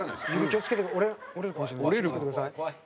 気を付けてください。